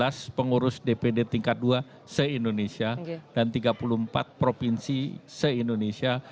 dan proses pengurus dpd tingkat dua se indonesia dan tiga puluh empat provinsi se indonesia